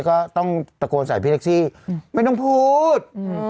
ก็ต้องตะโกนใส่พี่แท็กซี่ไม่ต้องพูด